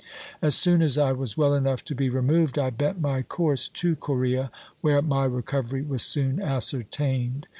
As soon as I was well enough to be removed, I bent my course to Coria, where my recovery was soon ascertained.